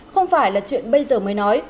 không phải là chuyện bây giờ mới nói